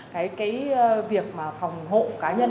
cái việc mà phòng hộ cá nhân